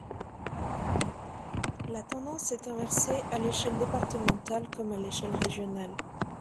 La tendance s'est inversée à l'échelle départementale comme à l'échelle régionale.